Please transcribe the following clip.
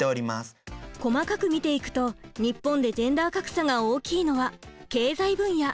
細かく見ていくと日本でジェンダー格差が大きいのは経済分野。